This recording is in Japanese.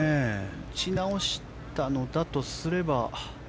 打ち直したのだとすれば。